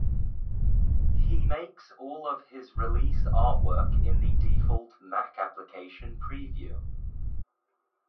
He makes all of his release artwork in the default Mac application Preview.